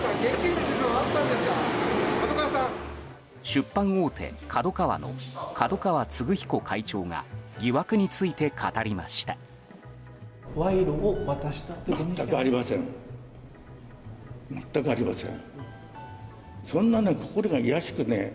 出版大手ＫＡＤＯＫＡＷＡの角川歴彦会長が疑惑について語りました。